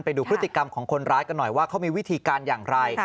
ไปดูพฤติกรรมของคนร้ายกันหน่อยว่าเขามีวิธีการอย่างไร